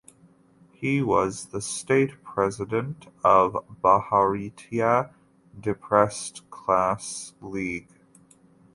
He was the State President of Bharatiya Depressed Class League.